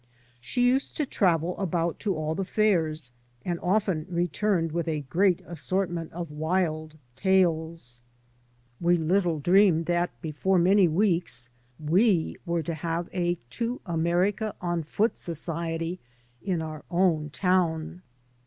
She used to travel about to all the fairs, and often returned with a great assortment of wild tales. We 84 TO AMERICA ON FOOT little dreamed that before many weeks we were to have a To America on Poot Society in our own town.